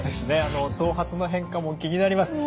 頭髪の変化も気になります。